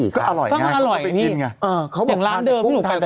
ก็อร่อยไงเขาไปกินไง